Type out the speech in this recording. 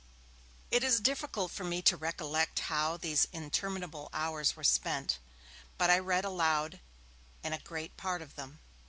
It is difficult for me to recollect how these interminable hours were spent. But I read aloud in a great part of them.